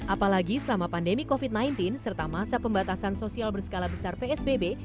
apalagi selama pandemi covid sembilan belas serta masa pembatasan sosial berskala besar psbb